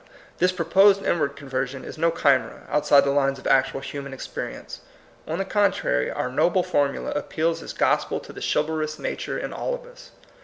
This proposed inward conversion is no chimera, outside the lines of actual human experience. On the contrary, our noble formula appeals as gospel to the chivalrous THE MOTTO OF VICTORY. 189 nature in all of us.